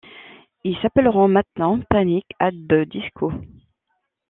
Ils s'appelleront maintenant Panic At The Disco.